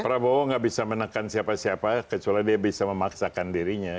prabowo nggak bisa menekan siapa siapa kecuali dia bisa memaksakan dirinya